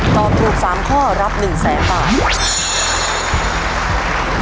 ตอบถูก๓ข้อรับ๑แสนบาท